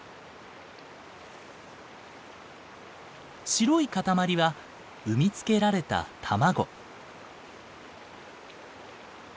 白い塊は産み付けられた卵。